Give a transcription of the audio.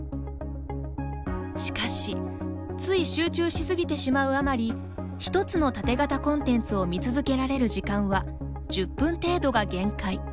しかしつい集中し過ぎてしまうあまり１つのタテ型コンテンツを見続けられる時間は１０分程度が限界。